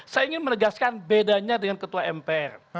saya ingin menegaskan bedanya dengan ketua mpr